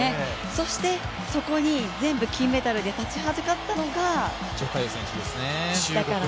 そして、そこに全部金メダルで立ちはだかったのが徐嘉余選手です。